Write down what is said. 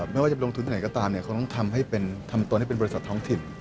ไม่ว่าจะลงทุนที่ไหนก็ตามเขาต้องทำให้ทำตนให้เป็นบริษัทท้องถิ่น